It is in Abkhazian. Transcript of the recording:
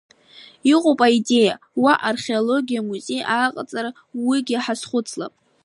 Иҟоуп аидеиа уа археологиа амузеи аҟаҵара уигьы ҳазхәыцлап.